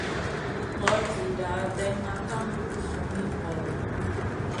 Nor zina ɗènŋa ka zumi ŋolo.